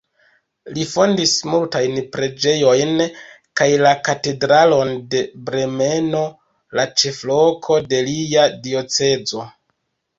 Li fondis multajn preĝejojn kaj la katedralon de Bremeno, la ĉefloko de lia diocezo.